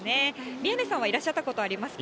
宮根さんはいらっしゃったことありますか？